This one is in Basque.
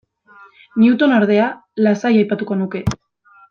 Newton, ordea, lasai aipatuko nuke.